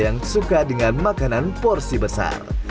yang suka dengan makanan porsi besar